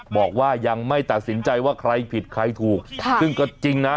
บอกว่ายังไม่ตัดสินใจว่าใครผิดใครถูกซึ่งก็จริงนะ